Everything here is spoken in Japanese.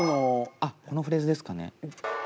あっこのフレーズですかね？